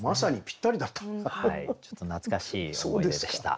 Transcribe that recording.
ちょっと懐かしい思い出でした。